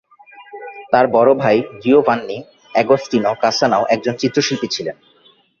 তার বড় ভাই জিওভান্নি অ্যাগোস্টিনো কাসানাও একজন চিত্রশিল্পী ছিলেন।